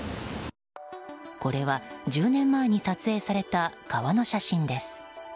これは、１０年前に撮影された川の写真です。